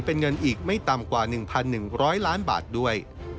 เป็นเงินอีกไม่ต่ำกว่า๑๑๐๐ล้านบาทด้วย